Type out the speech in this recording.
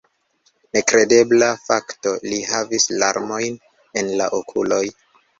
Nekredebla fakto: li havis larmojn en la okuloj!